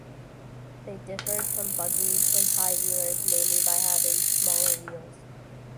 They differed from buggies and high wheelers mainly by having smaller wheels.